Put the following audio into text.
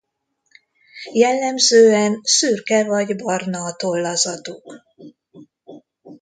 Jellemzően szürke vagy barna a tollazatuk.